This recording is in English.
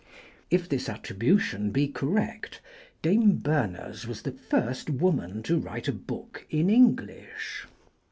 If this attribution be correct, Dame Berners was the first woman to write a book in English.